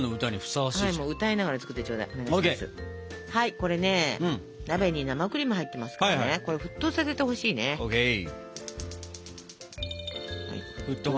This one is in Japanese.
これね鍋に生クリーム入ってますからねこれ沸騰させてほしいね。ＯＫ。